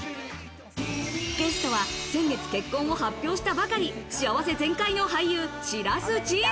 ゲストは先月、結婚を発表したばかり、幸せ全開の俳優・白洲迅。